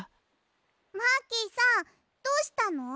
マーキーさんどうしたの？